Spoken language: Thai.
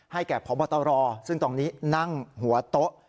แก่พบตรซึ่งตอนนี้นั่งหัวโต๊ะ